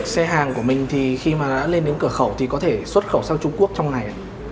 xe hàng của mình thì khi mà đã lên đến cửa khẩu thì có thể xuất khẩu sang trung quốc trong này ạ